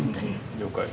了解。